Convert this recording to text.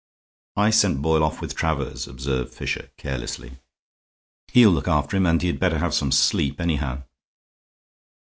"I sent Boyle off with Travers," observed Fisher, carelessly; "he'll look after him, and he'd better have some sleep, anyhow."